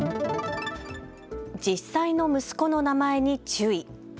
実際の息子の名前に注意。